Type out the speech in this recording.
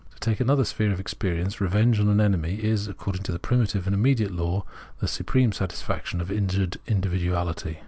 To take another sphere of experience : revenge on an enemy is, according to the primitive immediate law, the supreme satisfaction of injured individuality.